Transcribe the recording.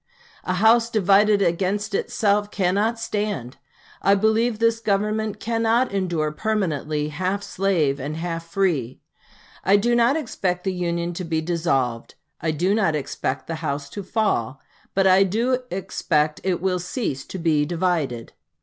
'A house divided against itself cannot stand.' I believe this Government cannot endure permanently, half slave and half free. I do not expect the Union to be dissolved I do not expect the house to fall but I do expect it will cease to be divided.